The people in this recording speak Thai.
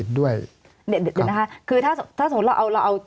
สวัสดีครับทุกคน